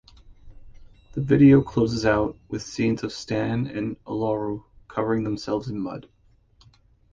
The video closes out with scenes of Stan and Olaru covering themselves in mud.